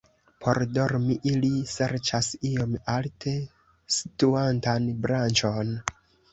Por dormi ili serĉas iom alte situantan branĉon.